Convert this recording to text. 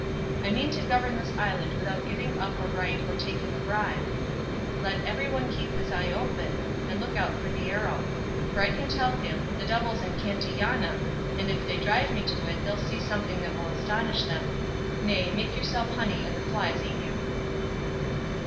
I mean to govern this island without giving up a right or taking a bribe; let everyone keep his eye open, and look out for the arrow; for I can tell them 'the devil's in Cantillana,' and if they drive me to it they'll see something that will astonish them. Nay! make yourself honey and the flies eat you."